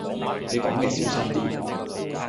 你講野小心啲